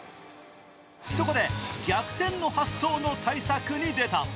そこで逆転の発想の対策に出た。